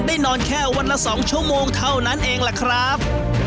นอนแค่วันละ๒ชั่วโมงเท่านั้นเองล่ะครับ